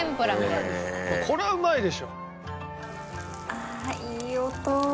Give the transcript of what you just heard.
ああいい音。